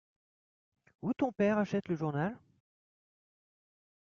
Où ton père achète le journal ?